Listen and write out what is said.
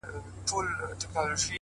سترګي توري د هوسۍ قد یې چینار وو-